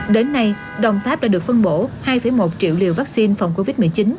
đến nay đồng tháp đã được phân bổ hai một triệu liều vắc xin phòng covid một mươi chín